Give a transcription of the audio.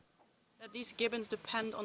kepunahan ini bergantung pada orang orang